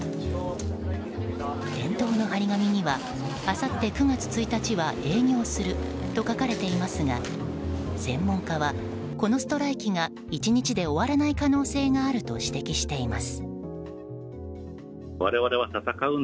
店頭の貼り紙にはあさって９月１日は営業すると書かれていますが専門家はこのストライキが１日で終わらない可能性があると指摘しています。